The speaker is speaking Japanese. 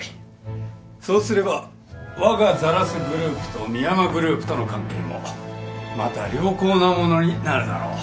そうすればわがザラスグループと深山グループとの関係もまた良好なものになるだろう。